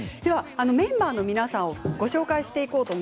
メンバーの皆さんをご紹介します。